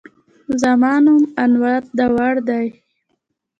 زما نوم انور داوړ دی